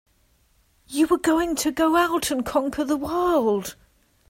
You were going to go out and conquer the world!